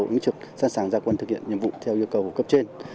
ứng trực sẵn sàng ra quân thực hiện nhiệm vụ theo yêu cầu của cấp trên